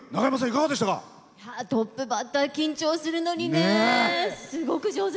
トップバッター緊張するのにね。